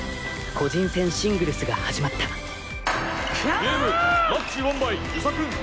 個人戦シングルスが始まったカモーン！